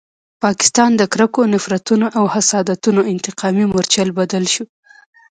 پاکستان د کرکو، نفرتونو او حسادتونو انتقامي مورچل بدل شو.